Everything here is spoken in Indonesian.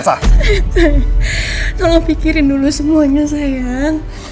sayang jangan pikirin dulu semuanya sayang